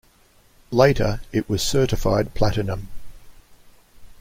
Later, it was certified platinum.